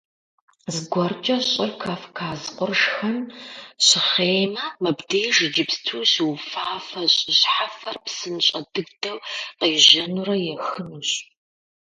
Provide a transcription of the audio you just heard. Зыгуэркӏэ щӏыр Кавказ къуршхэм щыхъеймэ, мыбдеж иджыпсту щыуфафэ щӏы щхьэфэр псынщӏэ дыдэу къежьэнурэ ехынущ.